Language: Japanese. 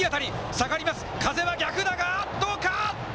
下がります、風は逆だが、どうか。